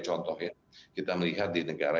contoh ya kita melihat di negara